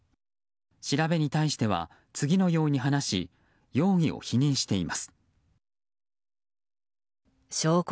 調べに対しては次のように話し容疑を否認しています。